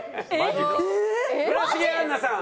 村重杏奈さん